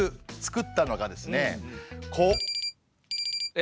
え？